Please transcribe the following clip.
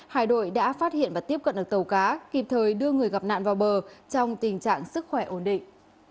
hải đội đã phát hiện và tiếp cận được tàu cá kịp thời đưa người gặp nạn vào bờ trong tình trạng sức khỏe ổn định